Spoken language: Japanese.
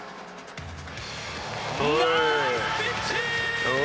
ナイスピッチング！